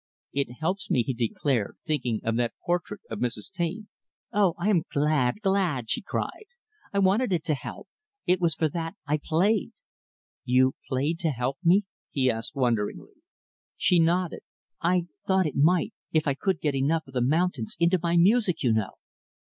"It helps me," he declared thinking of that portrait of Mrs. Taine. "Oh, I am glad, glad!" she cried. "I wanted it to help. It was for that I played." "You played to help me?" he asked wonderingly. She nodded. "I thought it might if I could get enough of the mountains into my music, you know."